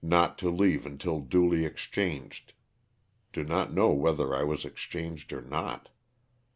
not to leave until duly exchanged (do not know whether 1 was exchanged or not).